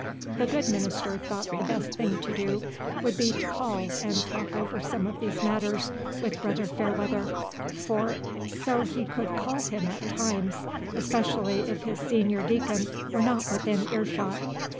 The good minister thought the best thing to do would be to call and talk over some of these matters with Brother Fairweather, for so he would call him at times, especially if his senior deacon were not within earshot.